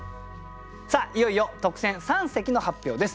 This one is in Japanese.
さあいよいよ特選三席の発表です。